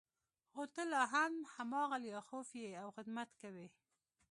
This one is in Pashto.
خو ته لا هم هماغه لیاخوف یې او خدمت کوې